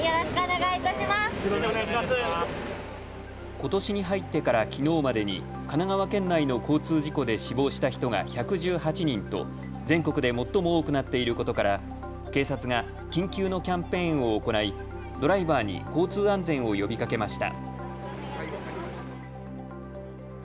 ことしに入ってからきのうまでに神奈川県内の交通事故で死亡した人が１１８人と全国で最も多くなっていることから警察が緊急のキャンペーンを行いドライバーに交通安全を呼びかけました。